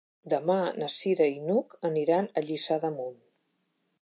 Demà na Cira i n'Hug aniran a Lliçà d'Amunt.